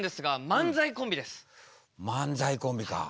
漫才コンビか。